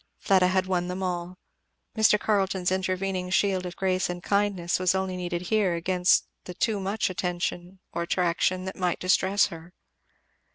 Fleda had won them all. Mr. Carleton's intervening shield of grace and kindness was only needed here against the too much attention or attraction that might distress her.